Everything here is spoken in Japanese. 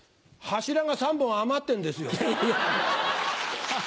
柱が３本余ってんですよ。